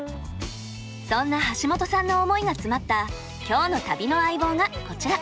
そんな橋本さんの思いが詰まった今日の旅の相棒がこちら。